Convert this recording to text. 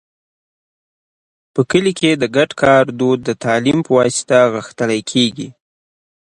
په کلي کې د ګډ کار دود د تعلیم په واسطه غښتلی کېږي.